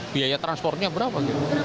biaya transportnya berapa gitu